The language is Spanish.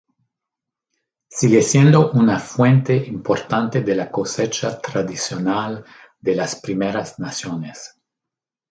Sigue siendo una fuente importante de la cosecha tradicional de las Primeras Naciones.